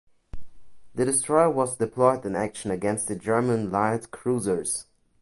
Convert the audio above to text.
The destroyer was deployed in action against the German light cruisers.